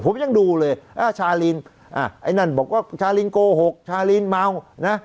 ผมยังดูเลยชาลินไอ้นั่นบอกว่าชาลินโกหกชาลินเมานะ